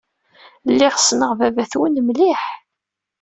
Lliɣ ssneɣ baba-twen mliḥ.